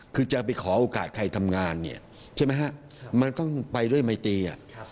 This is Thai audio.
คือจะไปขอโอกาสใครทำงานมันต้องไปด้วยไม้ตี